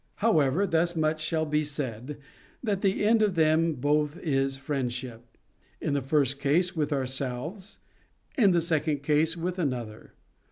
However, thus much shall be said, that the end of them both is friendship, — in the first case with ourselves, in the second case with another.